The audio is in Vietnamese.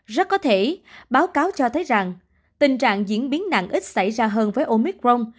rất có thể báo cáo cho thấy rằng tình trạng diễn biến nặng ít xảy ra hơn với omicron